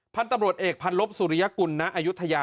พันธุ์ตำรวจเอกพันลบสุริยกุลณอายุทยา